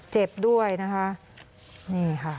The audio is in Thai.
เจ็บด้วยนะครับ